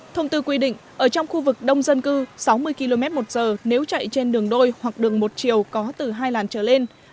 thông tư quy định ở trong khu vực đông dân cư sáu mươi km một giờ nếu chạy trên đường đôi hoặc đường một chiều có từ hai làn trở lên